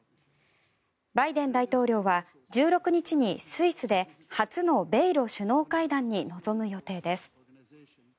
バイデン大統領は１６日にスイスで初の米ロ首脳会談に臨む予定です。